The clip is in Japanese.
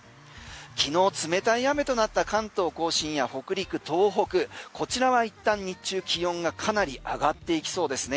昨日冷たい雨となった関東・甲信や北陸、東北、こちらは一旦日中気温がかなり上がっていきそうですね。